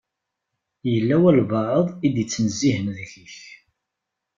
Yella walebɛaḍ i d-ittnezzihen deg-k.